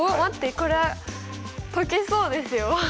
これは解けそうですよ。